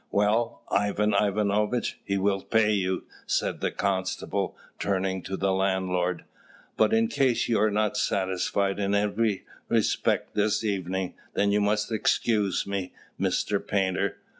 "Well, Ivan Ivanovitch, he will pay you," said the constable, turning to the landlord. "But in case you are not satisfied in every respect this evening, then you must excuse me, Mr. Painter."